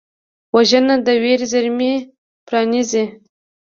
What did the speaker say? وژنه د ویر زېرمې پرانیزي